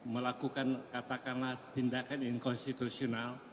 melakukan katakanlah tindakan inkonstitusional